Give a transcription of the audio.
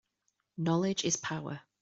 Knowledge is power.